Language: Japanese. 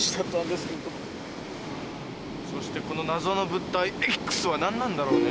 そしてこの謎の物体Ｘは何なんだろうね。